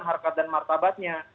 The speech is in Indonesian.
harkat dan martabatnya